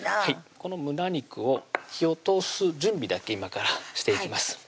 この胸肉を火を通す準備だけ今からしていきます